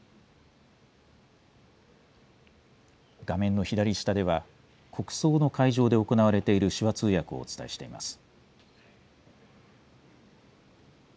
画面の左下では、国葬の会場で行われている手話通訳をお伝えしています。